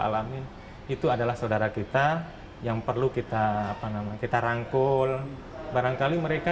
alamin itu adalah saudara kita yang perlu kita apa namanya kita rangkul barangkali mereka